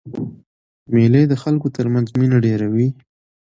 مېلې د خلکو تر منځ مینه ډېروي.